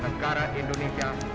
setelah he spesialist keith